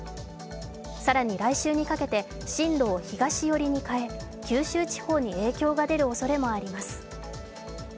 更に来週にかけて進路を東寄りに変え九州地方に影響が出るおそれもあります。